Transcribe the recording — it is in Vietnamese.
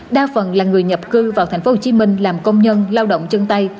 đa phần là người nhập cư vào thành phố hồ chí minh làm công nhân lao động chân tay